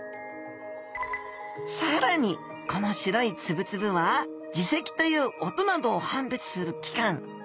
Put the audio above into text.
更にこの白いつぶつぶは耳石という音などを判別する器官。